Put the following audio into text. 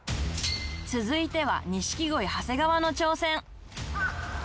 続いては錦鯉長谷川の挑戦